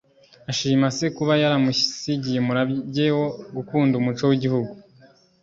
Ashima se kuba yaramusigiye umurage wo gukunda umuco w’igihugu